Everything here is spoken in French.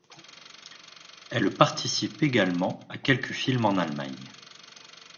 Elle participe également à quelques films en Allemagne.